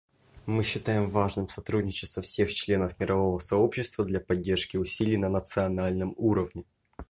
Мы считаем важным сотрудничество всех членов мирового сообщества для поддержки усилий на национальном уровне.